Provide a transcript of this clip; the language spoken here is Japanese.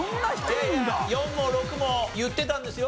いやいや４も６も言ってたんですよ。